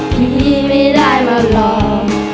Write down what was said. พี่ไม่ได้มาหลอก